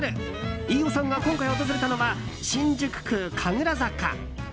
飯尾さんが今回訪れたのは新宿区神楽坂。